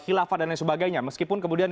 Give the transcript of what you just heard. khilafah dan lain sebagainya meskipun kemudian